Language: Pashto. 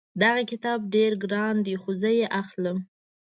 دغه کتاب ډېر ګران ده خو زه یې اخلم